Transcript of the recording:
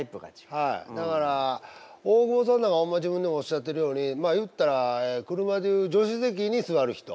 はいだから大久保さんなんかホンマ自分でもおっしゃってるようにまあ言ったら車でいう助手席に座る人。